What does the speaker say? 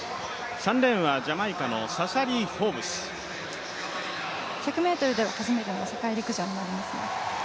３レーンはジャマイカのフォーブス１００ｍでは初めての世界陸上になりますね。